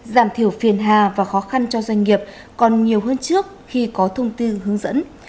giảm thiểu phiền hà và khó khăn cho doanh nghiệp còn nhiều hơn trước khi có thông tư hướng dẫn